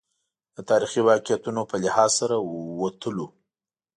د تاریخي واقعیتونو په لحاظ سره وتلو.